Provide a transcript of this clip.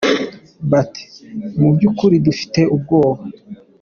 Bati : “Mu by’ukuri dufite ubwoba”.